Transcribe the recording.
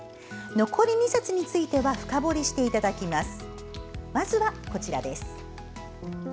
残り２冊については深掘りしていただきます。